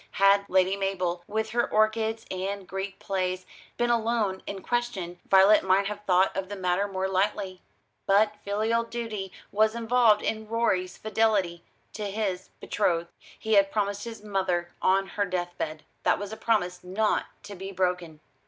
Had Lady Mabel, with her orchids and Greek plays, been alone in question, Violet might have thought of the matter more lightly: but filial duty was involved in Rorie's fidelity to his betrothed. He had promised his mother on her death bed. That was a promise not to be broken.